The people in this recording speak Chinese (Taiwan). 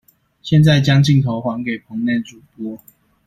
現在將鏡頭還給棚內主播